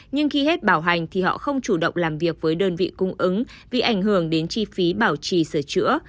nhưng khi hết bảo hành thì họ không chủ động làm việc với đơn vị cung ứng vì ảnh hưởng đến chi phí bảo trì sửa chữa